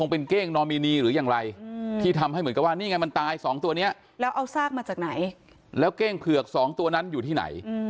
เพราะฉะนั้นอยู่ที่ไหน